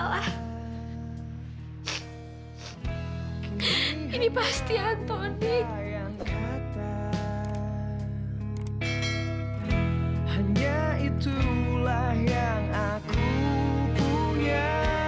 sampai jumpa di video selanjutnya